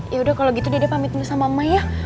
yaudah kalau gitu dede pamitin sama mama ya